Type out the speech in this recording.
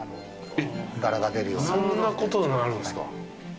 そんなことになるんすか？